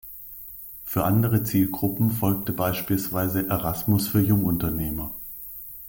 Für andere Zielgruppen folgte beispielsweise "Erasmus für Jungunternehmer".